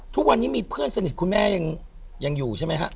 ทุกวันนี้มีเพื่อนสนิทคุณแม่ยังอยู่ใช่ไหมฮะ